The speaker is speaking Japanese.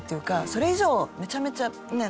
それ以上めちゃめちゃね。